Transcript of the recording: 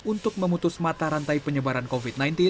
untuk memutus mata rantai penyebaran covid sembilan belas